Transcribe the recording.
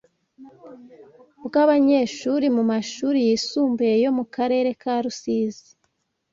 bwabanyeshuri mumashuri yisumbuye yo mukarere ka Rusizi